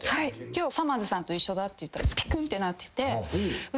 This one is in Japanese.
今日さまぁずさんと一緒だって言ったらピクンってなってて。